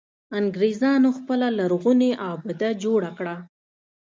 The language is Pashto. انګرېزانو خپله لرغونې آبده جوړه کړه.